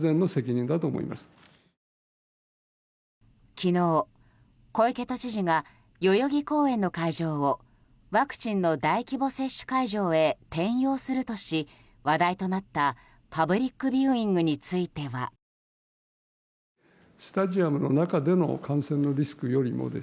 昨日、小池都知事が代々木公園の会場をワクチンの大規模接種会場へ転用するとし話題となったパブリックビューイングについては。尾身会長の一連の発言を受け